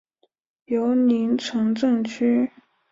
尤宁城镇区。